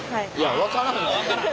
あ分からん。